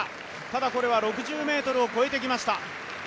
ただこれは６０ｍを越えてきました。